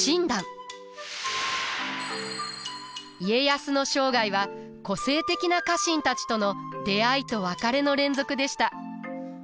家康の生涯は個性的な家臣たちとの出会いと別れの連続でした。